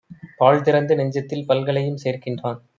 பாழ்திறந்து நெஞ்சத்தில் பல்கலையும் சேர்க்கின்றான்.